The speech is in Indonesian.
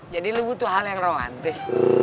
jadi lo butuh hal yang romantis